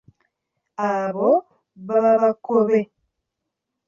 Abo baba Bakkobe.